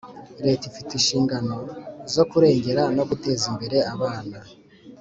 Leta ifite inshingano zo kurengera no guteza imbere abana